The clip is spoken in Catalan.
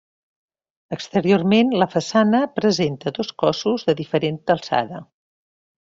Exteriorment la façana presenta dos cossos de diferent alçada.